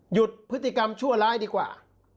หยุดพฤติกรรมชั่วร้ายดีกว่า